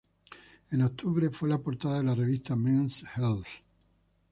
En octubre fue la portada de la revista "Men´s Health".